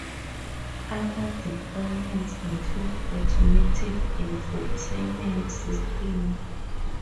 Other deployments include automotive infotainment systems.